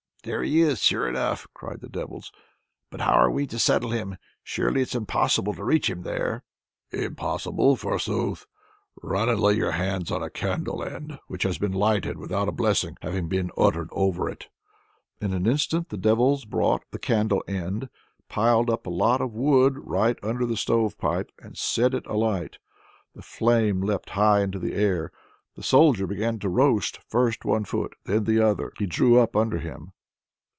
"There he is, sure enough!" cried the devils, "but how are we to settle him. Surely it's impossible to reach him there?" "Impossible, forsooth! Run and lay your hands on a candle end which has been lighted without a blessing having been uttered over it." In an instant the devils brought the candle end, piled up a lot of wood right under the stove pipe, and set it alight. The flame leapt high into the air, the Soldier began to roast: first one foot, then the other, he drew up under him.